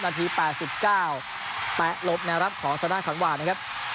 นาที๘๙แตะหลบแนวรับของสนานขันวานะครับ